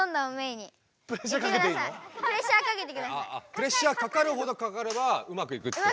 プレッシャーかかるほどかかればうまくいくってこと？